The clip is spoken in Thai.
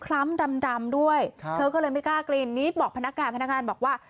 คล้ำดำด้วยเธอก็เลยไม่กล้ากลิ่นนี้บอกพนักงานพนักงานบอกว่า